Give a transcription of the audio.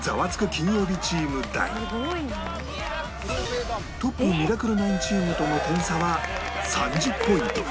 金曜日チームだがトップミラクル９チームとの点差は３０ポイント